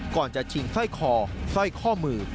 ก่อนจะชิงสร้อยคอสร้อยข้อมือ